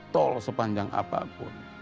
tol sepanjang apapun